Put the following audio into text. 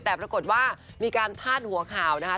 แต่ปรากฏว่ามีการพาดหัวข่าวนะคะ